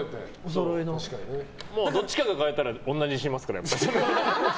どっちかが変えたら同じにしますから。